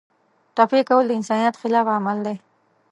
ټپي کول د انسانیت خلاف عمل دی.